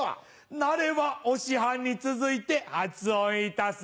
なればお師範に続いて発音致せ。